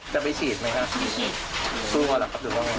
จะไปฉีดไหมครับสู้ก่อนหรือครับหรือว่าไม่ฉีด